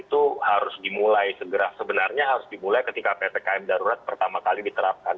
itu harus dimulai segera sebenarnya harus dimulai ketika ppkm darurat pertama kali diterapkan